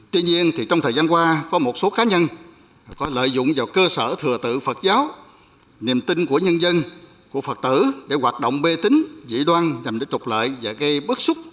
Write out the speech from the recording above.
tuy nhiên trong thời gian qua có một số cá nhân có lợi dụng vào cơ sở thừa tự phật giáo niềm tin của nhân dân của phật tử để hoạt động bê tính dị đoan nhằm để trục lợi và gây bức xúc